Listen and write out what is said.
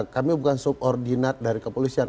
kami bukan subordinat dari kepolisian